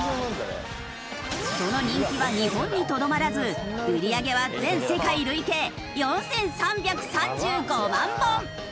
その人気は日本にとどまらず売り上げは全世界累計４３３５万本！